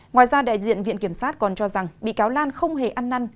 ngoài ra đại diện viện kiểm sát còn cho rằng bị cáo lan không hề ăn năn